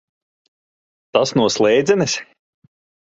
Tas no slēdzenes?